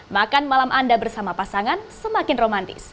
makan malam anda bersama pasangan semakin romantis